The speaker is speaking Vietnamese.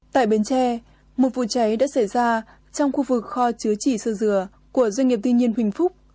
tại bến tre một vụ cháy đã xảy ra trong khu vực kho chứa chỉ sơ dừa của doanh nghiệp thiên nhiên huỳnh phúc